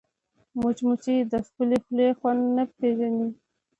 مچمچۍ د خپلې خولې خوند نه پېژني